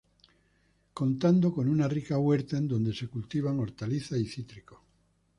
Contando con una rica Huerta en dónde se cultivan hortalizas y cítricos.